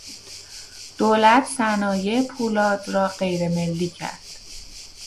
دولت صنایع پولاد را غیرملی کرد.